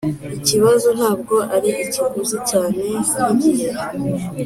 ikibazo ntabwo ari ikiguzi cyane nkigihe.